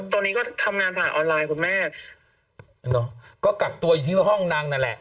ตอนนี้ก็ทำงานผ่านออนไลน์คุณแม่ก็กักตัวอยู่ที่ห้องนางนั่นแหละ